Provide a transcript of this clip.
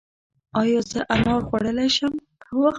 ایا زه انار خوړلی شم؟